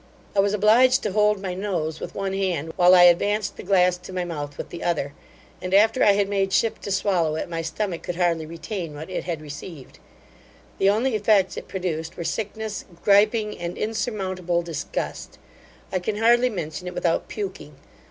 I was obliged to hold my nose with one hand, while I advanced the glass to my mouth with the other; and after I had made shift to swallow it, my stomach could hardly retain what it had received. The only effects it produced were sickness, griping, and insurmountable disgust. I can hardly mention it without puking.